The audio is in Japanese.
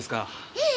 ええ。